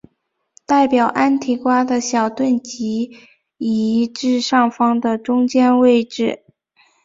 代表安提瓜的小盾即移至上方的中间位置。